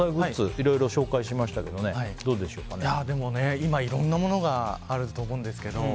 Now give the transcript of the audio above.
いろいろ紹介しましたけど今、いろんなものがあると思うんですけど